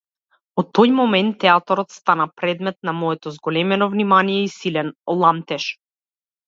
Од тој момент театарот стана предмет на моето зголемено внимание и силен ламтеж.